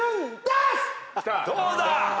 どうだ！？